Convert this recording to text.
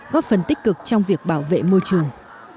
góp phần tích cực trong việc bảo vệ môi trường